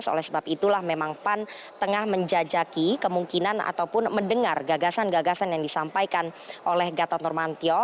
oleh sebab itulah memang pan tengah menjajaki kemungkinan ataupun mendengar gagasan gagasan yang disampaikan oleh gatot nurmantio